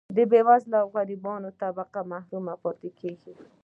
بیوزله او غریبه طبقه محروم پاتې کیږي.